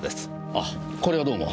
あこれはどうも。